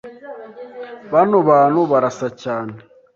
Bano bantu barasa cyane